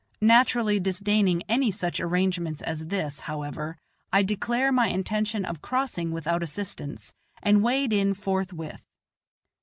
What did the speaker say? Naturally disdaining any such arrangement as this, however, I declare my intention of crossing without assistance, and wade in forthwith.